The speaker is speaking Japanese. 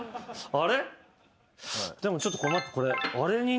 あれ？